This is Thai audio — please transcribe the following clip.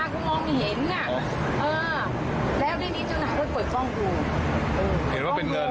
เขาบอกว่ามันเป็นเงิน